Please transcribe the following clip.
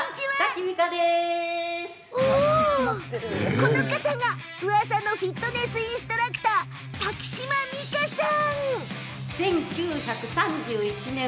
この方が、うわさのフィットネスインストラクター瀧島未香さん。